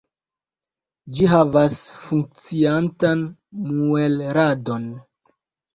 Ĝi havas funkciantan muelradon.